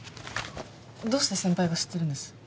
どうして先輩が知ってるんです？